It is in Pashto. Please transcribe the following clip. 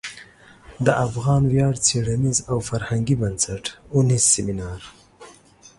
د افغان ویاړ څیړنیز او فرهنګي بنسټ او نیز سمینار